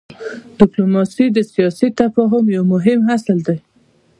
ډيپلوماسي د سیاسي تفاهم یو مهم اصل دی.